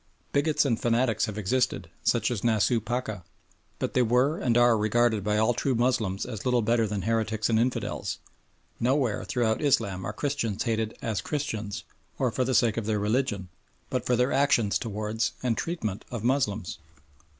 Bigots and fanatics have existed, such as Nasooh Pacha, but they were and are regarded by all true Moslems as little better than heretics and infidels. Nowhere throughout Islam are Christians hated as Christians, or for the sake of their religion, but for their actions towards and treatment of Moslems.